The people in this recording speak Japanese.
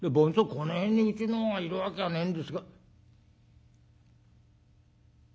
この辺にうちのがいるわけがねえんですが」。